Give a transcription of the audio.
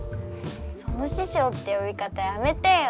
その「師匠」ってよびかたやめてよ。